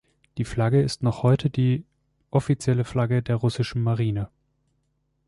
Die Flagge ist noch heute die offizielle Flagge der russischen Marine.